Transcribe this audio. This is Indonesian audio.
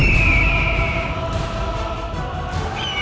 malam ini ada wanita cantik